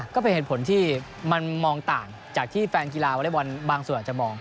ก็เป็นเหตุผลที่มันมองต่างจากที่แฟนกีฬาวอเล็กบอลบางส่วนอาจจะมอง